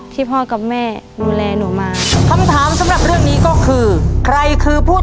ที่พ่อกับแม่ดูแลหนูมามีคำถามข้ำน้ำทึกนี้ก็คือใครคือผู้